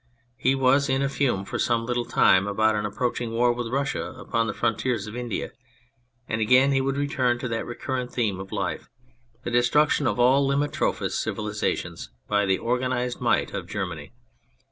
He was in a fume for some little time about an approach ing war with Russia upon the frontiers of India, and again he would return to that recurrent theme of his life, the destruction of all limitrophous civilisations by the organised might of Germany.